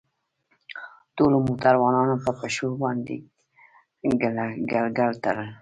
ټولو موټروانانو په پښو باندې ګلګل تړل.